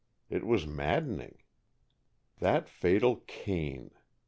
It was maddening. That fatal cane!